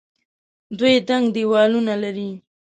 دوی دنګ دیوالونه لري.